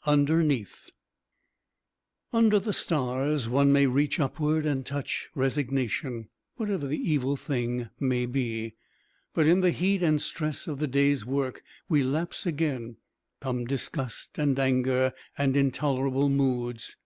IV UNDERNEATH Under the stars one may reach upward and touch resignation, whatever the evil thing may be, but in the heat and stress of the day's work we lapse again, come disgust and anger and intolerable moods.